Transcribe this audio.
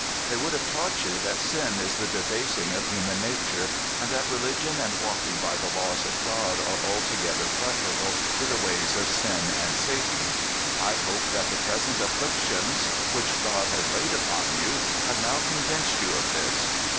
They would have taught you that sin is the debasing of human nature, and that religion and walking by the laws of God are altogether preferable to the ways of sin and Satan. I hope that the present afflictions, which God has laid upon you, have now convinced you of this.